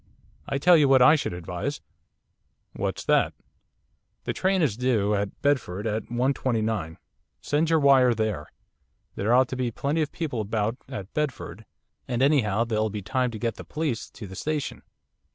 I tell you what I should advise.' 'What's that?' 'The train is due at Bedford at 1.29 send your wire there. There ought to be plenty of people about at Bedford, and anyhow there'll be time to get the police to the station.